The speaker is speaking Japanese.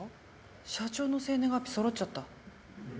社長の生年月日そろっちゃった。